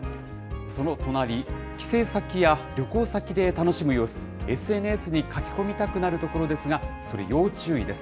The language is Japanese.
その隣、帰省先や旅行先で楽しむ様子、ＳＮＳに書き込みたくなるところですが、それ、要注意です。